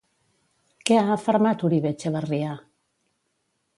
Què ha afermat Uribe-Etxebarria?